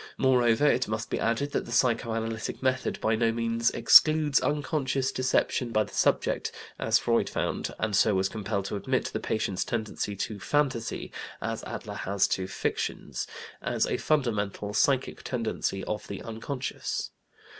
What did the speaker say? Moreover, it must be added that the psychoanalytic method by no means excludes unconscious deception by the subject, as Freud found, and so was compelled to admit the patient's tendency to "fantasy," as Adler has to "fictions," as a fundamental psychic tendency of the "unconscious."